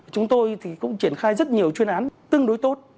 chúng tôi thì cũng triển khai rất nhiều chuyên án tương đối tốt